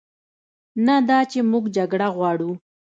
نه دا چې موږ جګړه غواړو،